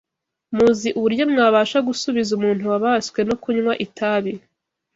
Muzi uburyo mwabasha gusubiza umuntu wabaswe no kunywa itabi,